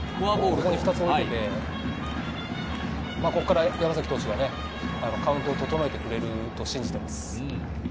ここに２つ置いてて、これから山崎投手がカウントをととのえてくれると信じています。